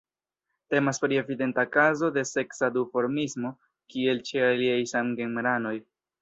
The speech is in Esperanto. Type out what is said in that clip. Temas pri evidenta kazo de seksa duformismo, kiel ĉe aliaj samgenranoj.